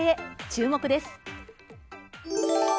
注目です。